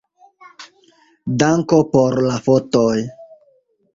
Danko por la fotoj.